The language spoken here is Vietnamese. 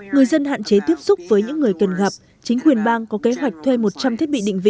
người dân hạn chế tiếp xúc với những người cần gặp chính quyền bang có kế hoạch thuê một trăm linh thiết bị định vị